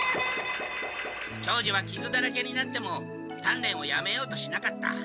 長次はきずだらけになってもたんれんをやめようとしなかった。